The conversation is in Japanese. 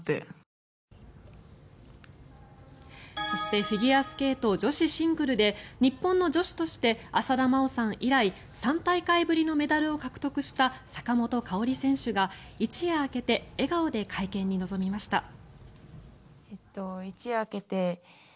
そしてフィギュアスケート女子シングルで日本の女子として浅田真央さん以来３大会ぶりのメダルを獲得した坂本花織選手が、一夜明けて笑顔で会見に臨みました。